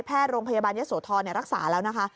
แพทย์โรงพยาบาลยศโทรรักษาแล้วนะคะ